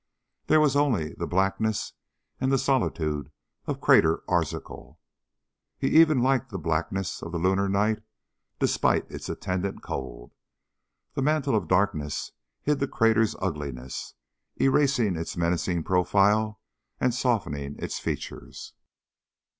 There was only the blackness and the solitude of Crater Arzachel. He even liked the blackness of the lunar night, despite its attendant cold. The mantle of darkness hid the crater's ugliness, erasing its menacing profile and softening its features.